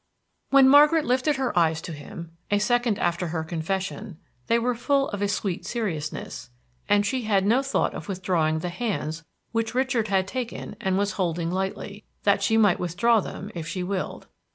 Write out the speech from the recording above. When Margaret lifted her eyes to him, a second after her confession, they were full of a sweet seriousness, and she had no thought of withdrawing the hands which Richard had taken, and was holding lightly, that she might withdraw them if she willed.